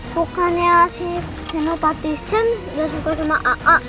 bukannya si penopatisan gak suka sama a'a